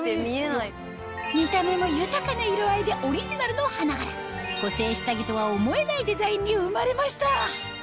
見た目も豊かな色合いでオリジナルの花柄補整下着とは思えないデザインに生まれました